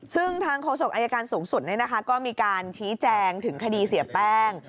ซึ่งทางโฆษกอายการสูงสุดก็มีการชี้แจงถึงคดีเสียแป้ง